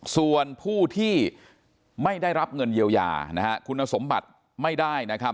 ส่วนผู้ที่ไม่ได้รับเงินเยียวยาคุณสมบัติไม่ได้